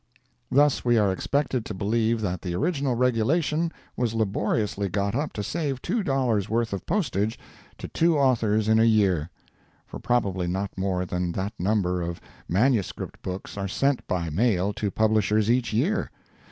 Thus we are expected to believe that the original regulation was laboriously got up to save two dollars' worth of postage to two authors in a year—for probably not more than that number of MS. books are sent by mail to publishers each year.